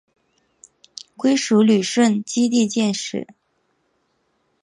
归属旅顺基地建制。